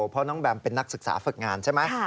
เพราะน้องแบมเป็นนักศึกษาฝึกงานใช่ไหม